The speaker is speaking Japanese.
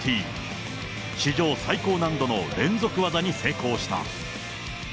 史上最高難度の連続技に成功した。